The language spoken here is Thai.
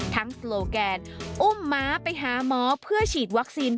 โปรแกนอุ้มม้าไปหาหมอเพื่อฉีดวัคซีน